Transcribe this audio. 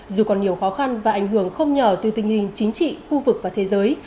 dù còn nhiều khó khăn và ảnh hưởng không nhỏ từ tình hình chính trị khu vực và thế giới